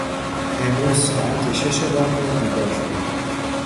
امروز ساعت شش بامداد بیدار شدم.